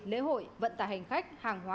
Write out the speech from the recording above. lễ hội vận tài hành khách hàng hóa